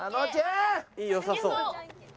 いいよさそう。